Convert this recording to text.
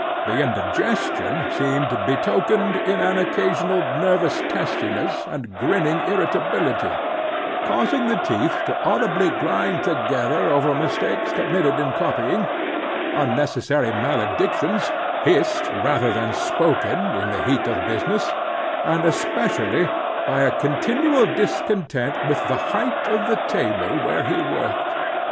The indigestion seemed betokened in an occasional nervous testiness and grinning irritability, causing the teeth to audibly grind together over mistakes committed in copying; unnecessary maledictions, hissed, rather than spoken, in the heat of business; and especially by a continual discontent with the height of the table where he worked.